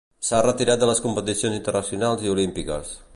S'ha retirat de les competicions internacionals i olímpiques.